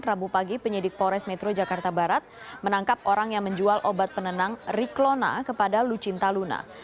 rabu pagi penyidik polres metro jakarta barat menangkap orang yang menjual obat penenang riklona kepada lucinta luna